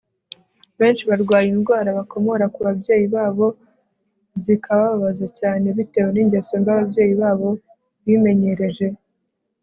benshi barwaye indwara bakomora ku babyeyi babo, zikabababaza cyane bitewe n'ingeso mbi ababyeyi babo bimenyereje